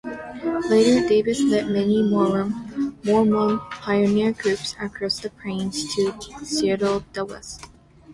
Later, Davis led many Mormon pioneer groups across the plains to settle the West.